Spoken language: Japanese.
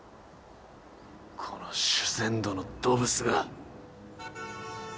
この守銭奴のドブスが。